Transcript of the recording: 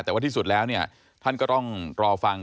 แต่ว่าที่สุดแล้วเนี่ยท่านก็ต้องรอฟัง